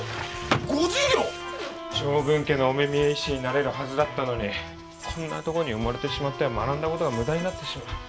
将軍家のお目見え医師になれるはずだったのにこんなとこに埋もれてしまっては学んだことが無駄になってしまう。